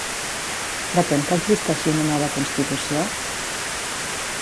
Pretén que existeixi una nova Constitució?